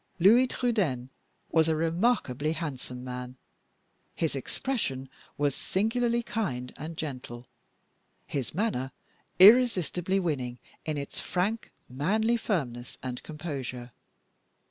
Louis Trudaine was a remarkably handsome man. His expression was singularly kind and gentle; his manner irresistibly winning in its frank, manly firmness and composure.